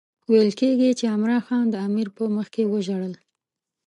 ویل کېږي چې عمرا خان د امیر په مخکې وژړل.